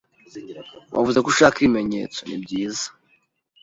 Wavuze ko ushaka ibimenyetso. Nibyiza.